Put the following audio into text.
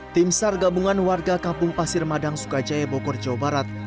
tim sar gabungan warga kampung pasir madang sukajaya bogor jawa barat